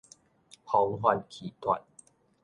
癀發氣脫